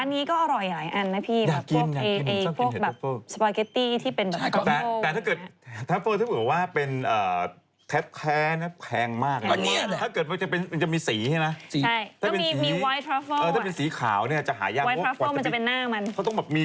ม่คถามไปจริงครับ